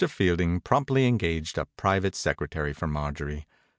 Fielding promptly engaged a private sec retary for Marjorie.